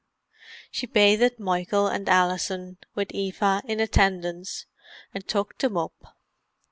She bathed Michael and Alison, with Eva in attendance, and tucked them up.